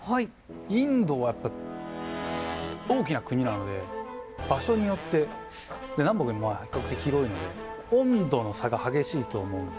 インドはやっぱ大きな国なので場所によって南北にも比較的広いので温度の差が激しいと思うんです。